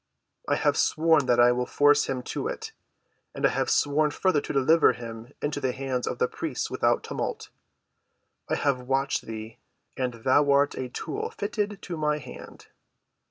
I have sworn that I will force him to it. And I have sworn further to deliver him into the hands of the priests without tumult. I have watched thee and thou art a tool fitted to my hand.